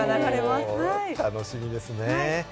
楽しみです。